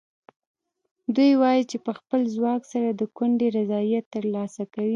دوی وایي چې په خپل ځواک سره د کونډې رضایت ترلاسه کوي.